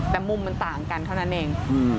แต่มุมมันต่างกันเท่านั้นเอง